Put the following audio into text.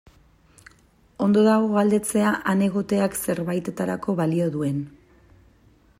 Ondo dago galdetzea han egoteak zerbaitetarako balio duen.